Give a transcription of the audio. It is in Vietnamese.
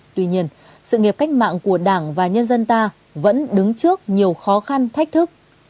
tuy nhiên sự nghiệp cách mạng của đảng và nhân dân ta vẫn đứng trước nhiều khó khăn thách thức